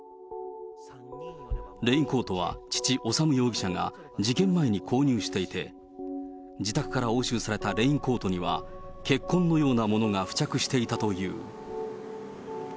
レインコートは父、修容疑者が事件前に購入していて、自宅から押収されたレインコートには、血痕のようなものが付着していたという。